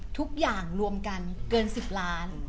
ทุกอย่างรวมกันเกิน๑๐ล้าน